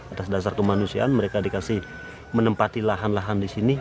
atas dasar kemanusiaan mereka dikasih menempati lahan lahan disini